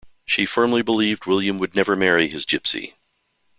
She firmly believed William would never marry his Gipsy.